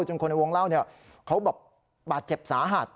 คนในวงเล่าเนี่ยเขาแบบบาดเจ็บสาหัส